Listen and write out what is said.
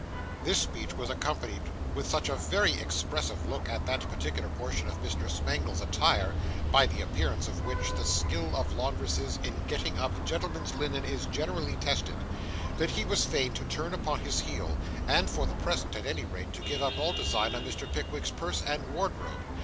This speech was accompanied with such a very expressive look at that particular portion of Mr. Smangle's attire, by the appearance of which the skill of laundresses in getting up gentlemen's linen is generally tested, that he was fain to turn upon his heel, and, for the present at any rate, to give up all design on Mr. Pickwick's purse and wardrobe.